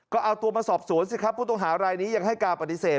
ก็เอาตัวมาสอบสวนสิครับผู้ต้องหารายนี้ยังให้การปฏิเสธ